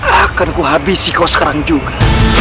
akan kuhabisiku sekarang juga